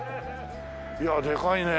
いやでかいねえ。